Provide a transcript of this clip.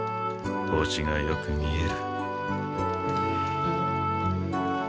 星がよく見える。